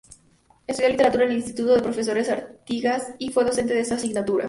Estudió literatura en el Instituto de Profesores Artigas y fue docente de esa asignatura.